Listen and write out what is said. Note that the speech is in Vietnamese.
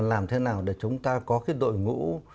làm thế nào để chúng ta có cái đội ngũ